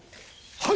はい。